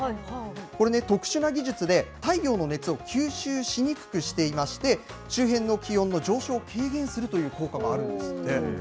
これね、特殊な技術で、太陽の熱を吸収しにくくしていまして、周辺の気温の上昇を軽減するという効果もあるんですって。